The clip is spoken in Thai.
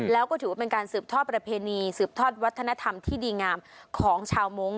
แล้วก็ถือว่าเป็นการสืบทอดประเพณีสืบทอดวัฒนธรรมที่ดีงามของชาวมงค